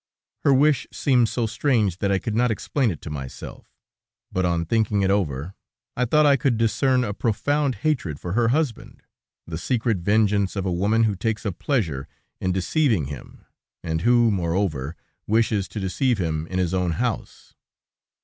Her wish seemed so strange that I could not explain it to myself; but on thinking it over, I thought I could discern a profound hatred for her husband, the secret vengeance of a woman who takes a pleasure in deceiving him, and who, moreover, wishes to deceive him in his own house.